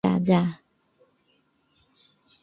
যা, যা!